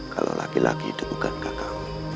kalau laki laki itu bukan kakak